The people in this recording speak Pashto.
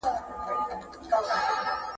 څه وخت د ږیري خاوند ډنډ ته د چاڼ ماشین وړي؟